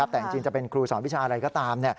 แต่จริงจะเป็นครูสอนวิชาอะไรก็ตาม